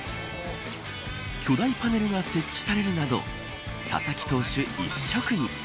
巨大パネルが設置されるなど佐々木投手一色に。